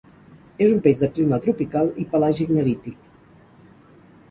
És un peix de clima tropical i pelàgic-nerític.